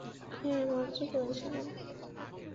হ্যাঁ, মাত্র পৌঁছালাম।